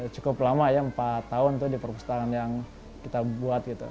cukup lama ya empat tahun di perpustakaan yang kita buat gitu